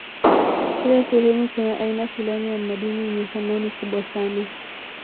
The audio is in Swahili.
Kila sehemu kuna aina fulani ya madini yenye thamani kubwa sana